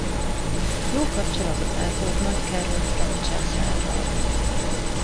Jó kapcsolatot ápolt Nagy Károly frank császárral.